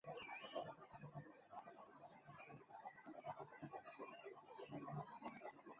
安菲阿拉俄斯。